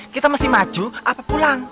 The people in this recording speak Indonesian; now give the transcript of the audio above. kita mesti maju apa pulang